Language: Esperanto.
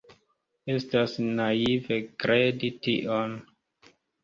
Estas naive kredi tion.